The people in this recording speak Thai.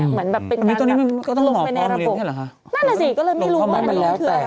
เหมือนแบบเป็นการลงไปในระบบนั่นแหละสิก็เลยไม่รู้ว่าอันนี้คืออะไร